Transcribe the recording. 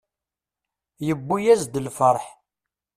Yewwi-as-d lferḥ.